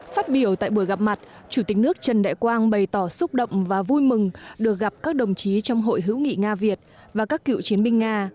phát biểu tại buổi gặp mặt chủ tịch nước trần đại quang bày tỏ xúc động và vui mừng được gặp các đồng chí trong hội hữu nghị nga việt và các cựu chiến binh nga